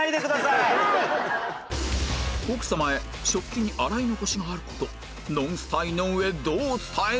奥さまへ食器に洗い残しがあるとノンスタ井上どう伝える？